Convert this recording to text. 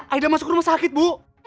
aida masuk rumah sakit bu